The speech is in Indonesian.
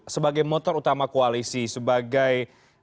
sebagai motor utama koalisi sebagai